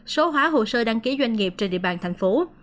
số hóa hồ sơ đăng ký doanh nghiệp trên địa bàn thành phố